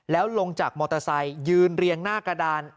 แล้วลงจากมอเตอร์ไซค์ยืนเรียงหน้ากระดาน